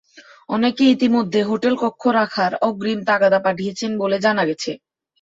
অনেকে ইতিমধ্যে হোটেল কক্ষ রাখার অগ্রিম তাগাদা পাঠিয়েছেন বলে জানা গেছে।